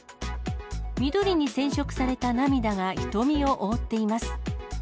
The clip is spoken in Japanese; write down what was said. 緑に染色された涙が瞳を覆っています。